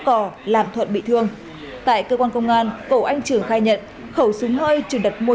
cò làm thuận bị thương tại cơ quan công an cầu anh trường khai nhận khẩu súng hơi trường đặt mua